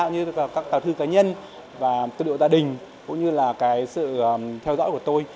như là các tàu thư cá nhân tư liệu gia đình cũng như là sự theo dõi của tôi